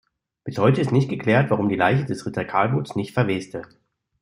Bis heute ist nicht geklärt, warum die Leiche des Ritters Kahlbutz nicht verweste.